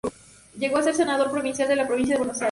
Llegó a ser senador provincial en la Provincia de Buenos Aires.